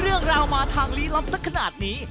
เรื่องราวมาทางลี้ลับสักขนาดนี้